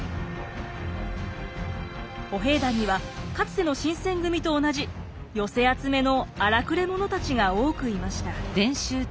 歩兵団にはかつての新選組と同じ寄せ集めの荒くれ者たちが多くいました。